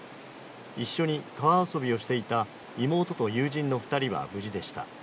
一緒に川遊びをしていた妹と友人の２人は無事でした。